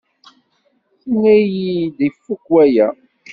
Tenna-iyi-d ifuk waya.